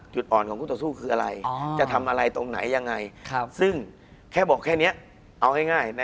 จุดอ่อนของคู่ต่อสู้คืออะไรจะทำอะไรตรงไหนยังไงซึ่งแค่บอกแค่นี้เอาง่าย